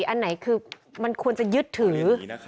อันไหนคือมันควรจะยึดถือ